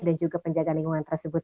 dan juga penjaga lingkungan tersebut